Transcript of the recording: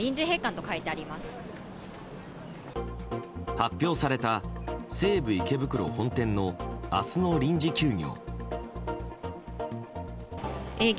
発表された、西武池袋本店の明日の臨時休業。